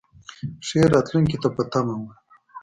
ښې راتلونکې ته په تمه و.